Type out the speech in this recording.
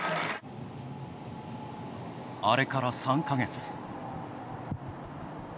あれから３か月。